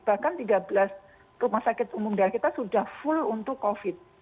bahkan tiga belas rumah sakit umum daerah kita sudah full untuk covid